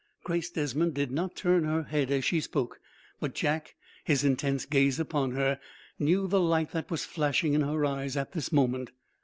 Grace Desmond did not turn her head as she spoke, but Jack, his intense gaze upon her, knew the light that was flashing in her eyes at this moment.